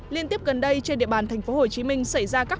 liên tiếp gần đây trên địa bàn tp hcm xảy ra các vụ trộm cắp